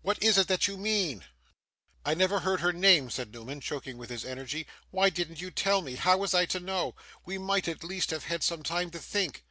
What is it that you mean?' 'I never heard her name,' said Newman, choking with his energy. 'Why didn't you tell me? How was I to know? We might, at least, have had some time to think!